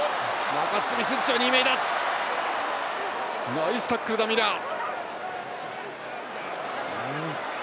ナイスタックルだ、ミラー。